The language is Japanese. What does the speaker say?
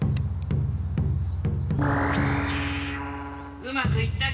うまくいったかい？